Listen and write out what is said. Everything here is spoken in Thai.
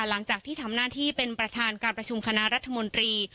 หลังจากที่ทำหน้าที่เป็นประธานการประชุมคณะรัฐมนตรี